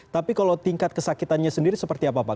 tapi kalau tingkat kesakitannya sendiri seperti apa pak